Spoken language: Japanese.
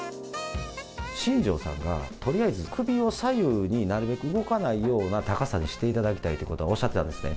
新庄さんが、とりあえず首を左右になるべく動かないような高さにしていただきたいということはおっしゃってたんですね。